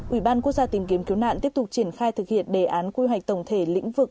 ủy ban quốc gia tìm kiếm cứu nạn tiếp tục triển khai thực hiện đề án quy hoạch tổng thể lĩnh vực